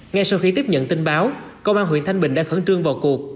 ngay sau khi tiếp nhận tin báo công an tp hcm đã khẩn trương vào cuộc